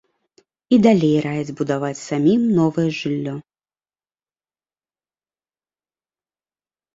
І далей раяць будаваць самім новае жыллё.